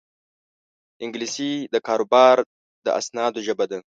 انګلیسي د کاروبار د اسنادو ژبه ده